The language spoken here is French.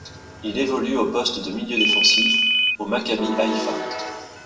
Il évolue au poste de milieu défensif au Maccabi Haïfa.